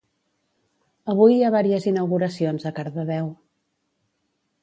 Avui hi ha vàries inauguracions a Cardedeu.